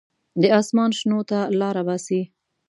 د اسمان شنو ته لاره باسي.